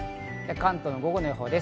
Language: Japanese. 関東の午後の予報です。